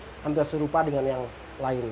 warna juga hampir serupa dengan yang lain